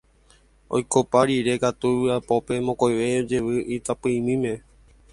Oikopa rire katu vy'apópe mokõive ojevy itapỹimíme.